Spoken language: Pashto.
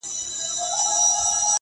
جنتونه یې نصیب کي لویه ربه ،